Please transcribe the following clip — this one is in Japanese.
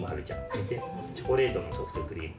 みてチョコレートのソフトクリーム。